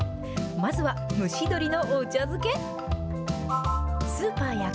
まずは蒸し鶏のお茶